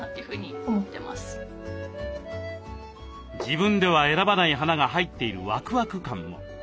自分では選ばない花が入っているワクワク感も。